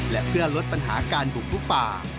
และเพื่อลดปัญหาการบุกลุกป่า